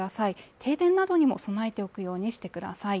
停電などにも備えておくようにしてください